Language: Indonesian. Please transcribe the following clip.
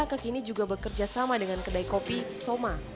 kekini juga bekerja sama dengan kedai kopi soma